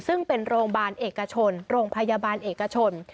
ซึ่งเป็นโรงพยาบาลเอกชน